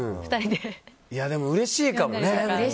でもうれしいかもね。